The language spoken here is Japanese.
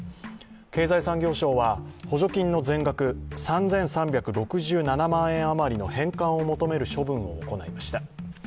経済産業省は補助金の全額、３３６７万円余りの返還を求める処分を行いました。